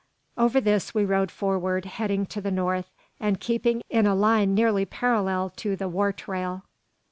Over this we rode forward, heading to the north, and keeping in a line nearly parallel to the "war trail."